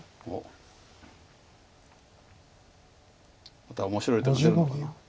また面白い手が出るのかな。